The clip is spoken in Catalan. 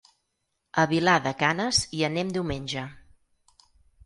A Vilar de Canes hi anem diumenge.